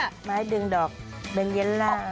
มาให้ดึงดอกแบงเยลล่า